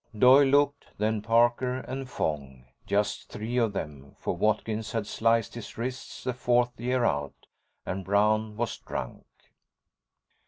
Doyle looked, then Parker and Fong. Just three of them, for Watkins had sliced his wrists the fourth year out. And Brown was drunk.